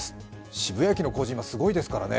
渋谷駅の工事、今すごいですからね。